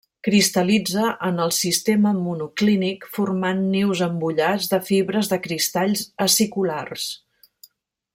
Cristal·litza en el sistema monoclínic formant nius embullats de fibres de cristalls aciculars.